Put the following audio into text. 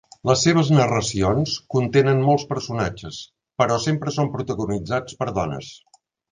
Les seves narracions contenen molts personatges, però sempre són protagonitzats per dones.